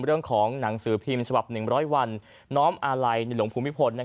เรื่องของหนังสือพิมพ์ฉบับ๑๐๐วันน้อมอาลัยในหลวงภูมิพล